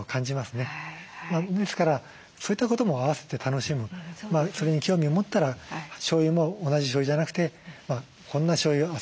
ですからそういったことも合わせて楽しむそれに興味を持ったらしょうゆも同じしょうゆじゃなくてこんなしょうゆあそこのしょうゆ